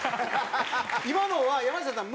今のは山下さん